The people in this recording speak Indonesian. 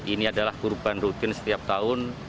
ini adalah kurban rutin setiap tahun